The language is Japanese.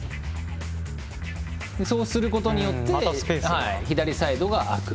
そうすることによって左サイドが空く。